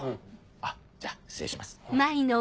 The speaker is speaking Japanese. あっじゃあ失礼します。